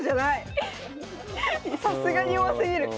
さすがに弱すぎる。